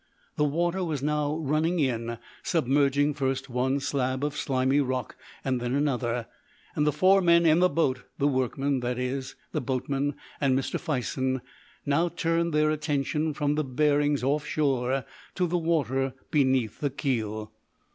The water was now running in, submerging first one slab of slimy rock and then another, and the four men in the boat the workmen, that is, the boatman, and Mr. Fison now turned their attention from the bearings off shore to the water beneath the keel.